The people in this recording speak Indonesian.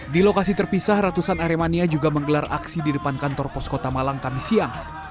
di lokasi terpisah ratusan aremania juga menggelar aksi di depan kantor pos kota malang kami siang